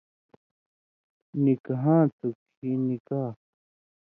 نِکہاں تھو کھیں نِکا،